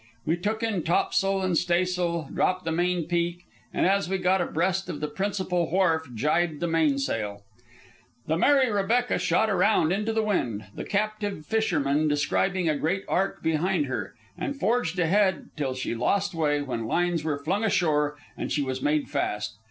We took in topsail and staysail, dropped the main peak, and as we got abreast of the principal wharf jibed the mainsail. The Mary Rebecca shot around into the wind, the captive fishermen describing a great arc behind her, and forged ahead till she lost way, when lines were flung ashore and she was made fast.